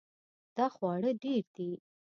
دا خواړه ډیر دي